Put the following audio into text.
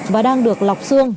và đang được lọc xương